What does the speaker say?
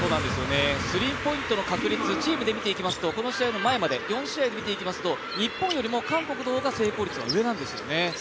スリーポイントの確率チームで見ていきますとこの試合の前まで４試合で見ていきますと日本よりも韓国の方が成功率が上なんですよね。